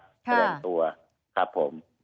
แสดงตัวครับผม